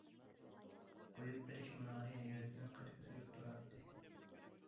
قويۇپ بېرىش مۇنارى ھەيۋەت بىلەن قەد كۆتۈرۈپ تۇراتتى.